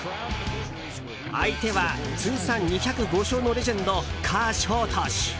相手は通算２０５勝のレジェンドカーショー投手。